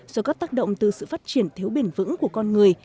do các tác động từ sự phát triển thiếu bền vững của con người